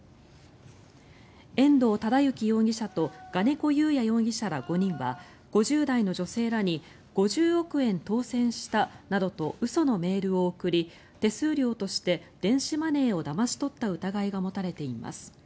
遠藤忠幸容疑者と我如古祐弥容疑者ら５人は５０代の女性らに５０億円当選したなどと嘘のメールを送り手数料として電子マネーをだまし取った疑いが持たれています。